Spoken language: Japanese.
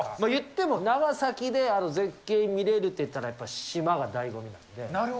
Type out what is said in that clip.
いっても、長崎で絶景見れるっていったら、やっぱり島がだいご味なんで。